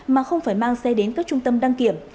mà không phải mang xe đến các trung tâm đăng kiểm